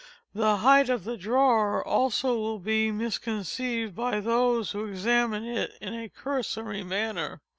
The height of the drawer also will be misconceived by those who examine it in a cursory manner.